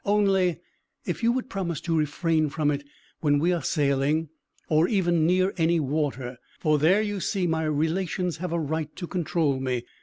Only if you would promise to refrain from it when we are sailing, or even near any water. For there, you see, my relations have a right to control me.